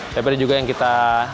tapi ada juga yang kita